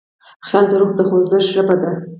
خیال د روح د خوځښت ژبه ده.